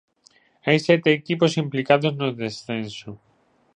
Hai sete equipos implicados no descenso.